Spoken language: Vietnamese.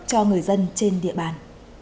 cho người dân trên địa bàn